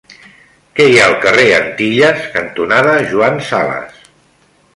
Què hi ha al carrer Antilles cantonada Joan Sales?